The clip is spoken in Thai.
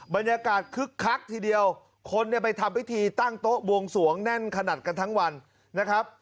บรรยากาศคึกคักทีเดียวคนเนี่ยไปทำพิธีตั้งโต๊ะบวงสวงแน่นขนาดกันทั้งวันนะครับ